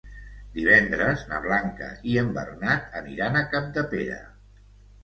Divendres na Blanca i en Bernat aniran a Capdepera.